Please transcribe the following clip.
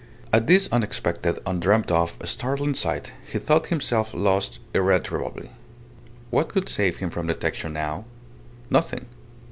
At this unexpected, undreamt of, startling sight, he thought himself lost irretrievably. What could save him from detection now? Nothing!